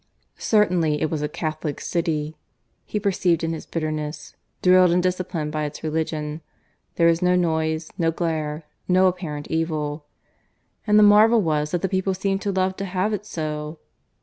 Certainly it was a Catholic city, he perceived in his bitterness, drilled and disciplined by its religion; there was no noise, no glare, no apparent evil. And the marvel was that the people seemed to love to have it so!